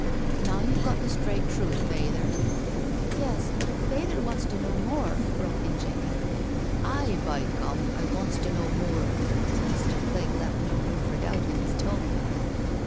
Now youVe got the straight truth, Fayther .•."'* Yes, but if Fayther wants to know more .•/* broke in Jenny. " Aye, by gum, I wants to know moor." Mr. Clegg left no room for doubt in his tone.